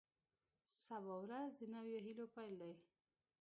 سبا ورځ د نویو هیلو پیل دی.